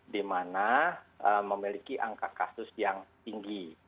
dimana memiliki angka kasus yang tinggi